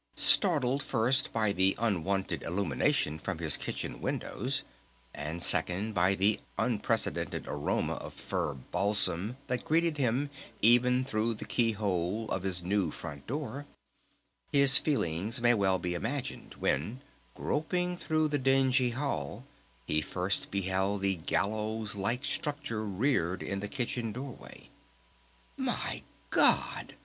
Startled first by the unwonted illumination from his kitchen windows, and second by the unprecedented aroma of Fir Balsam that greeted him even through the key hole of his new front door, his feelings may well be imagined when groping through the dingy hall he first beheld the gallows like structure reared in the kitchen doorway. "My God!"